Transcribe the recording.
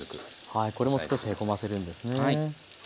はいこれも少しへこませるんですね。